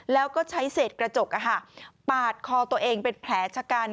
แล้วก็ใช้เศษกระจกปาดคอตัวเองเป็นแผลชะกัน